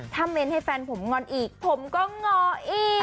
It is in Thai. ถ้าเม้นให้แฟนผมงอนอีกผมก็งออีก